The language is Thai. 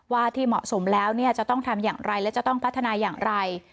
ที่เหมาะสมแล้วจะต้องทำอย่างไรและจะต้องพัฒนาอย่างไร